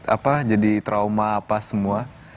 apa jadi trauma apa semua